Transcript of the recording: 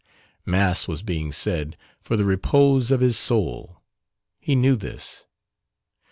Mass was being said for the repose of his soul, he knew this.